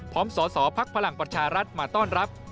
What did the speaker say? พร้อมสอพักพลังประชารัฐมาต้อนรับ